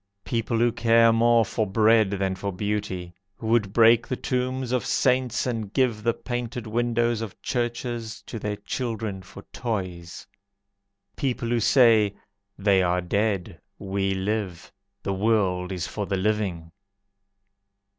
People who care more for bread than for beauty, Who would break the tombs of saints, And give the painted windows of churches To their children for toys. People who say: "They are dead, we live! The world is for the living."